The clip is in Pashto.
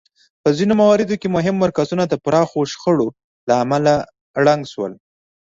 په ځینو مواردو کې مهم مرکزونه د پراخو شخړو له امله ړنګ شول